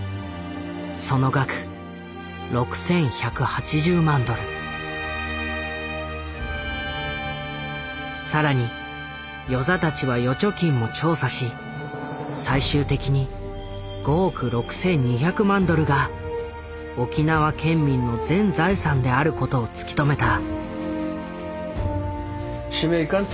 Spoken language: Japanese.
その額さらに與座たちは預貯金も調査し最終的に５億６，２００万ドルが沖縄県民の全財産であることを突き止めた。